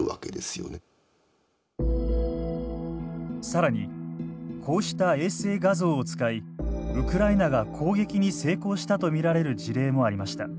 更にこうした衛星画像を使いウクライナが攻撃に成功したと見られる事例もありました。